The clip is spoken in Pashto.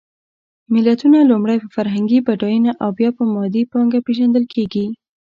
ملتونه لومړی په فرهنګي بډایېنه او بیا په مادي پانګه پېژندل کېږي.